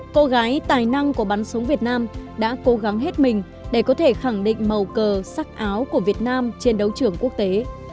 cô gái tài năng của bắn súng việt nam đã cố gắng hết mình để có thể khẳng định màu cờ sắc áo của việt nam trên đấu trường quốc tế